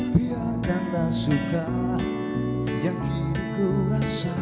biarkan tak suka yakin ku rasa